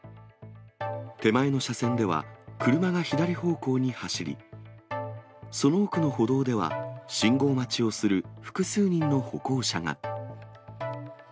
手前の車線では、車が左方向に走り、その奥の歩道では、信号待ちをする複数人の歩行者が。